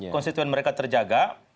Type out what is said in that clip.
konstituen mereka terjaga